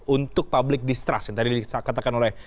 untuk public distrust yang tadi dikatakan oleh